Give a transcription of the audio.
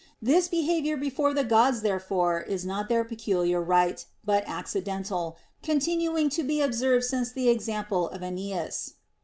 This behavior before the Gods therefore is not their peculiar right, but accidental, continuing to be observed since that example of Aeneas.